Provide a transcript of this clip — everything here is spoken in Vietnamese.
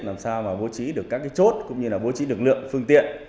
làm sao bố trí được các chốt cũng như bố trí được lượng phương tiện